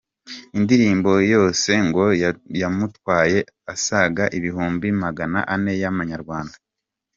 Indirimbo yose ngo yamutwaye asaga ibihumbi Magana ane y’amanyarwanda.